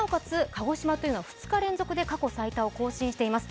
鹿児島というのは２日連続で過去最多を更新しています。